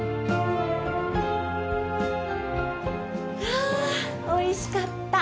ああおいしかった！